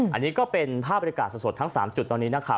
อันนี้ก็เป็นภาพบริการสดทั้ง๓จุดตอนนี้นะคะ